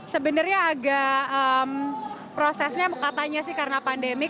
sebenernya agak prosesnya katanya sih karena pandemi